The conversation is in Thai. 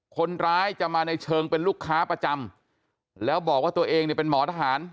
คนร้ายจะมาในเชิงเป็นลูกค้าประจำแล้วบอกว่าตัวเองเนี่ยเป็นหมอทหาร